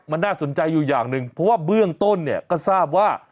มันน่าสนใจอยู่อย่างหนึ่งเพราะว่าเบื้องต้นเนี่ยก็ทราบว่า